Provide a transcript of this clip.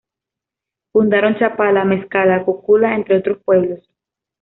Fundaron Chapala, Mezcala, Cocula, entre otros pueblos.